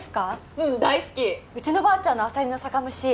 うん大好きうちのばあちゃんのアサリの酒蒸し